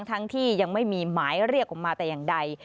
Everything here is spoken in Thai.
ทั้งที่ยังไม่มีหมายเรียกออกมาแต่อย่างใด